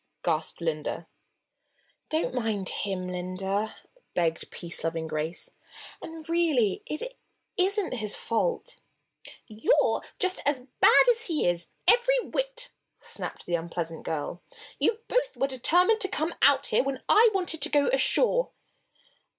gasped Linda. "Don't mind him, Linda," begged peace loving Grace. "And, really, it isn't his fault." "You're just as bad as he is, every whit!" snapped the unpleasant girl. "You both were determined to come out here when I wanted to go ashore."